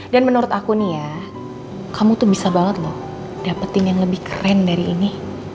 dan menurut aku nih ya kamu tuh bisa banget loh dapetin yang lebih keren dari ini